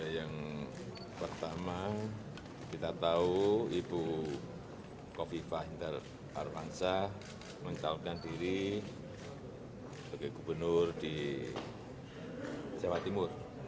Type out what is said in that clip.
yang pertama kita tahu ibu kofi fahimdar arwansa mencabutkan diri sebagai gubernur di jawa timur